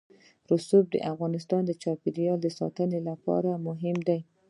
رسوب د افغانستان د چاپیریال ساتنې لپاره مهم دي.